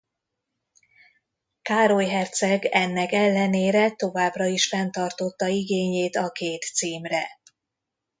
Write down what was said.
Károly herceg ennek ellenére továbbra is fenntartotta igényét a két címre.